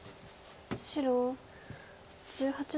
白１８の十三。